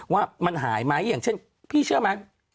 ว่ามันหายไหมอย่างเช่นพี่เชื่อไหม